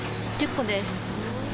１０個です